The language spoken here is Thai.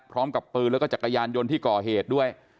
พร้อมกับปืนแล้วก็จักรยานยนต์ที่ก่อเหตุด้วย